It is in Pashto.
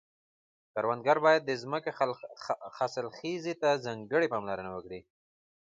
کروندګر باید د ځمکې حاصلخیزي ته ځانګړې پاملرنه وکړي.